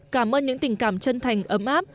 cảm ơn những tình cảm chân thành ấm áp